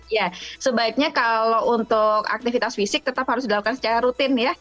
ya sebaiknya kalau untuk aktivitas fisik tetap harus dilakukan secara rutin ya